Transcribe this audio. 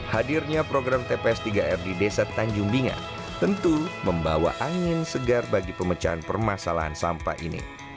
hadirnya program tps tiga r di desa tanjung binga tentu membawa angin segar bagi pemecahan permasalahan sampah ini